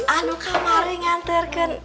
aduh kamu harus nganturkan